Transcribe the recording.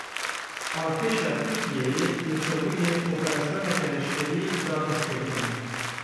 Artêşa Tirkiyeyê li Çewligê operasyoneke leşkerî da destpêkirin.